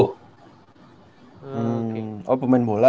hmm oh pemain bola